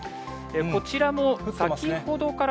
こちらも先ほどから。